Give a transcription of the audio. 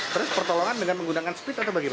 terus pertolongan dengan menggunakan speed atau bagaimana